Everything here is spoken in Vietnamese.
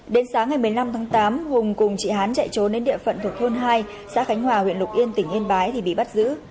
đến sáng ngày một mươi năm tháng tám hùng cùng chị hán chạy trốn đến địa phận thuộc thôn hai xã khánh hòa huyện lục yên tỉnh yên bái thì bị bắt giữ